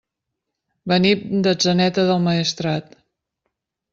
Venim d'Atzeneta del Maestrat.